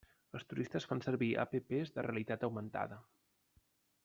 Els turistes fan servir apps de realitat augmentada.